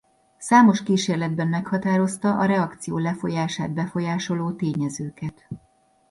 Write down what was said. Számos kísérletben meghatározta a reakció lefolyását befolyásoló tényezőket.